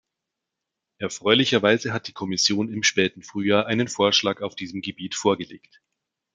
Erfreulicherweise hat die Kommission im späten Frühjahr einen Vorschlag auf diesem Gebiet vorgelegt.